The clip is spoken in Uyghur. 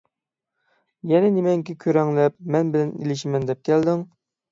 يەنە نېمەڭگە كۆرەڭلەپ مەن بىلەن ئېلىشىمەن دەپ كەلدىڭ؟